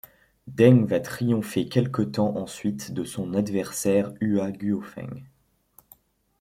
Deng va triompher quelque temps ensuite de son adversaire Hua Guofeng.